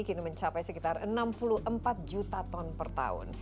kini mencapai sekitar enam puluh empat juta ton per tahun